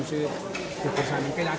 saya bilang bahwa selalu ke sini mbak